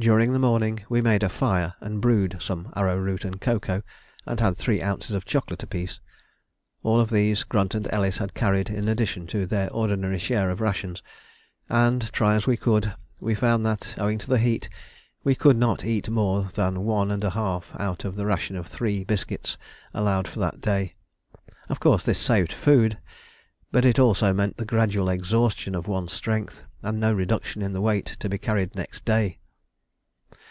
During the morning we made a fire and "brewed" some arrowroot and cocoa, and had three ounces of chocolate apiece. All of these Grunt and Ellis had carried in addition to their ordinary share of rations, and, try as we would, we found that, owing to the heat, we could not eat more than one and a half out of the ration of three biscuits allowed for that day. Of course this saved food, but it also meant the gradual exhaustion of one's strength, and no reduction in the weight to be carried next day.